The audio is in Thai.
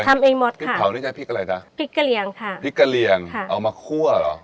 ทำเองหมดค่ะพริกเผานี่จะพริกอะไรจ๊ะพริกเกลียงค่ะพริกเกลียงเอามาคั่วหรอ